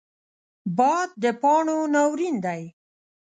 باد د پاڼو ناورین دی